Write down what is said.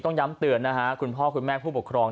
ย้ำเตือนนะฮะคุณพ่อคุณแม่ผู้ปกครอง